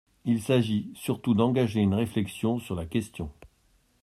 Il s’agit surtout d’engager une réflexion sur la question.